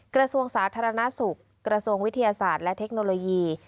กระทรวงสาธารณสุขกระทรวงวิทยาศาสตร์และเทคโนโลยี